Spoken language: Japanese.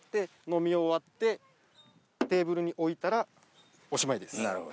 飲み終わってテーブルに置いたらおしまいです。